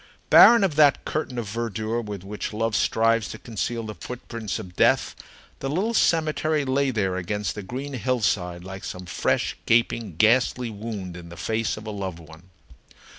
Barren of that curtain of verdure with which love strives to conceal the footprints of death, the little cemetery lay there against the green hillside like some fresh, gaping, ghastly wound in the face of a loved one.